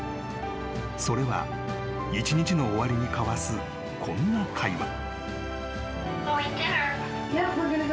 ［それは一日の終わりに交わすこんな会話］